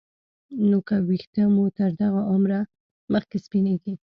نو که ویښته مو تر دغه عمره مخکې سپینېږي